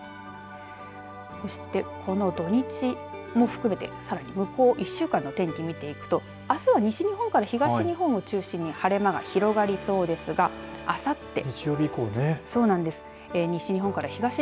そして、この土日も含めてさらに、向こう１週間の天気を見ていくと、あすは西日本から東日本を中心に晴れ間が広がりそうですが、あさって。